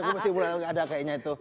aku masih mulai gak ada kayaknya itu